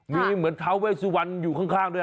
มีเหมือนทาเวสุวรรณอยู่ข้างด้วย